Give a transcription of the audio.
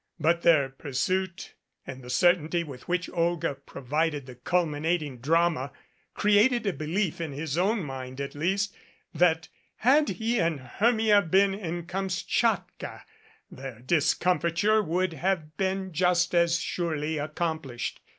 But their pursuit and the certainty with which Olga provided the culminating drama created a belief, in his own mind, at least, that had he and Hermia been in Kamschatka, their discomfiture would have been just as surely accomplished.